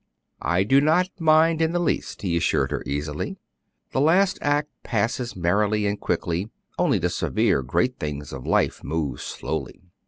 "I do not mind in the least," he assured her easily. The last act passes merrily and quickly; only the severe, great things of life move slowly.